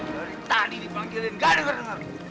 dari tadi dipanggilin gak ada dengar